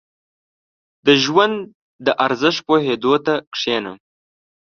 • د ژوند د ارزښت پوهېدو ته کښېنه.